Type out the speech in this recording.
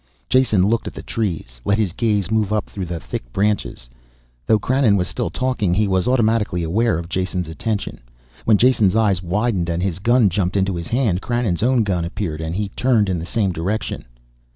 Jason looked at the trees, let his gaze move up through the thick branches. Though Krannon was still talking, he was automatically aware of Jason's attention. When Jason's eyes widened and his gun jumped into his hand, Krannon's own gun appeared and he turned in the same direction.